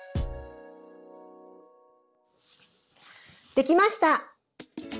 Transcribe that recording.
できました。